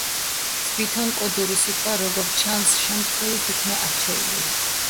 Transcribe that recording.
თვითონ კოდური სიტყვა, როგორც ჩანს, შემთხვევით იქნა არჩეული.